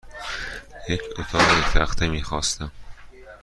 یک اتاق یک تخته میخواستم.